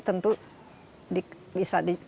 tentu bisa dibuang